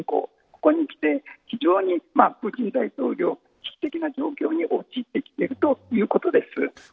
ここにきて非常にプーチン大統領危機的な状況に陥っているということです。